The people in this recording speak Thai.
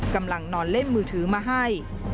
กำลังนอนเล่นมือถือมาให้